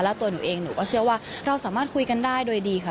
แล้วตัวหนูเองหนูก็เชื่อว่าเราสามารถคุยกันได้โดยดีค่ะ